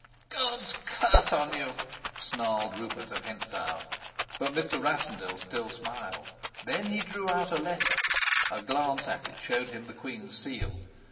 "God's curse on you!" snarled Rupert of Hentzau. But Mr. Rassendyll still smiled. Then he drew out a letter. A glance at it showed him the queen's seal.